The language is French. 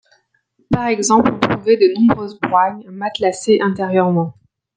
Par exemple, on trouvait de nombreuses broignes matelassées intérieurement.